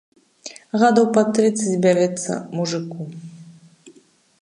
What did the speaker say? Гадоў пад трыццаць бярэцца мужыку.